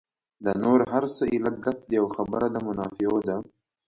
دا نور هر څه ایله ګپ دي او خبره د منافعو ده.